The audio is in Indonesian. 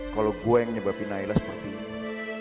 kalo gue yang nyebabin nailah seperti ini